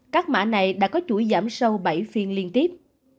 các mã này đã có chuỗi giảm sâu bảy phiên liên tiếp